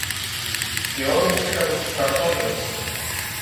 Και όρμησε κατά τους στρατώνες.